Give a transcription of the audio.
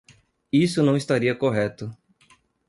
Isso não estaria correto.